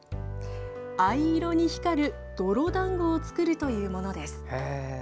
藍色に光る泥団子を作るというものです。